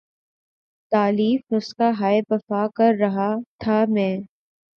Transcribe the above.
تالیف نسخہ ہائے وفا کر رہا تھا میں